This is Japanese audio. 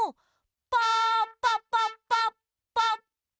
パパパパッパッパ。